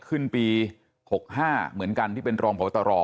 ปี๖๕เหมือนกันที่เป็นรองพบตร